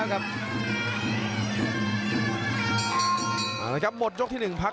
วางแค่ขวาแล้วเสียบด้วยเขาซ้าย